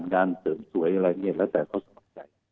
งานเสริมสวยอะไรเนี่ยแล้วแต่เขาสมัครใจ